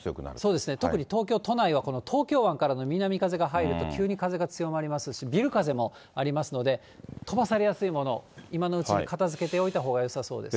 そうですね、特に東京都内は、この東京湾からの南風が入ると、急に風が強まりますし、ビル風もありますので、飛ばされやすいもの、今のうちに片づけておいたほうがよさそうです。